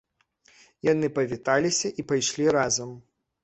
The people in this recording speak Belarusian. Яны павіталіся і пайшлі разам.